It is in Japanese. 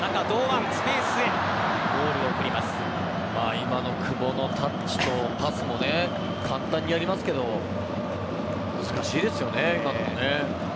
今の久保のタッチとパスも簡単にやりますけど難しいですよね、今のも。